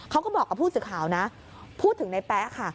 เขาก็บอกกับผู้สื่อข่าวนะพูดถึงในแป๊ะค่ะ